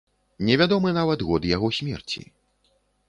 Невядомы нават год яго смерці.